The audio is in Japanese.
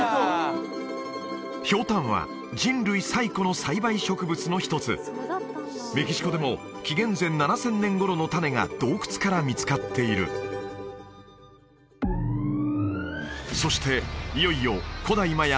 ヒョウタンは人類最古の栽培植物の一つメキシコでも紀元前７０００年頃の種が洞窟から見つかっているそしていよいよ古代マヤ